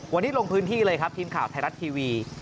วันนี้ลงพื้นที่เลยครับทีมข่าวไทยรัฐทีวี